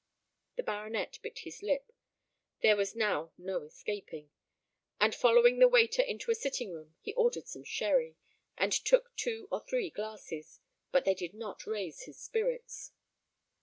The baronet bit his lip there was now no escaping; and following the waiter to a sitting room, he ordered some sherry, and took two or three glasses, but they did not raise his spirits.